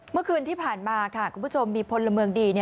เมื่อคืนที่ผ่านมาค่ะคุณผู้ชมมีพลเมืองดี